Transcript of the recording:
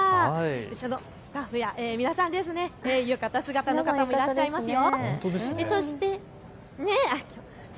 後ろのスタッフや皆さん、浴衣姿の方もいらっしゃいますよ。